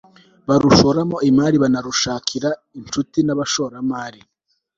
barushoramo imari, banarushakira inshuti n'abashoramari